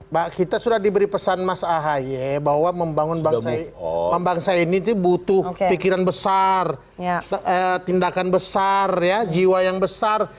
mbak kita sudah diberi pesan mas ahy bahwa membangun bangsa ini butuh pikiran besar tindakan besar jiwa yang besar